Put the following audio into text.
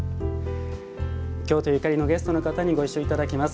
京都ゆかりのゲストの方にご一緒いただきます。